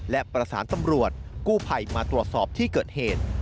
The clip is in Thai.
และประสานตำรวจกู้ภัยมาตรวจสอบที่เกิดเหตุ